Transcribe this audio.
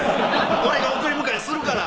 「俺が送り迎えするから」